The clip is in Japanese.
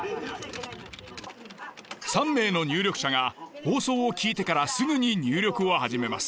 ３名の入力者が放送を聞いてからすぐに入力を始めます。